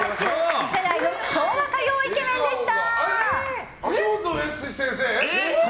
次世代の昭和歌謡イケメンでした。